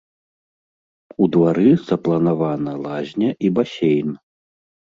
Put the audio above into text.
У двары запланавана лазня і басейн.